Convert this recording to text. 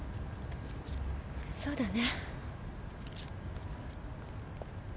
そうだね。